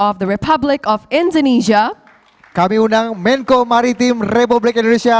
pemerintah koordinator pemerintah komersil deposit indonesia